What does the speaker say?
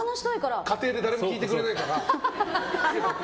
家庭で誰も聞いてくれないから。